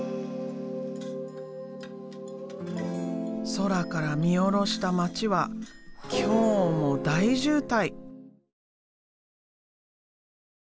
空から見下ろした町は今日も大渋滞。